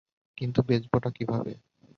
কিন্তু বেচবোটা কিভাবে?